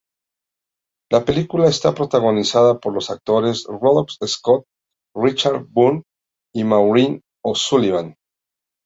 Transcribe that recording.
La película está protagonizada por los actores Randolph Scott, Richard Boone y Maureen O'Sullivan.